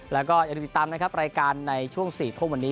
แล้วก็อย่าลืมติดตามนะครับรายการในช่วง๔ทุ่มวันนี้